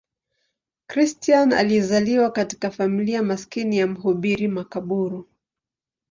Christian alizaliwa katika familia maskini ya mhubiri makaburu.